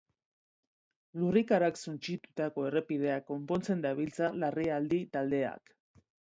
Lurrikarak suntsitutako errepideak konpontzen dabiltza larrialdi taldeak.